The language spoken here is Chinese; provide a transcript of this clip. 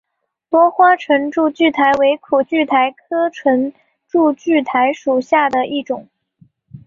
多花唇柱苣苔为苦苣苔科唇柱苣苔属下的一个种。